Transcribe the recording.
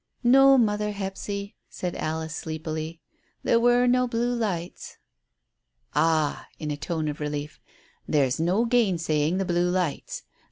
"No, mother Hephzy," said Alice sleepily. "There were no blue lights." "Ah," in a tone of relief. "There's no gainsaying the blue lights.